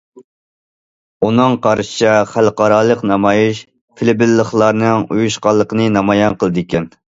ئۇنىڭ قارىشىچە، خەلقئارالىق نامايىش فىلىپپىنلىقلارنىڭ ئۇيۇشقانلىقىنى نامايان قىلىدىكەن.